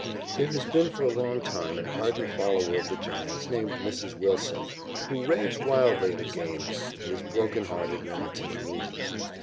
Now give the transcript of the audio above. There has been for a long time an ardent follower of the Giants named Mrs. Wilson, who raves wildly at a game, and is broken hearted when the team loses.